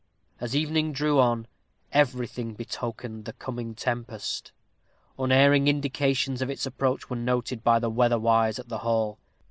As evening drew on, everything betokened the coming tempest. Unerring indications of its approach were noted by the weatherwise at the hall.